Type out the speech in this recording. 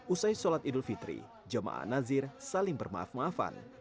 usai solat idul fitri jemaah nazir saling bermaaf